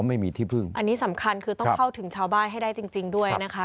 อันนี้สำคัญคือต้องเข้าถึงชาวบ้านให้ได้จริงด้วยนะคะ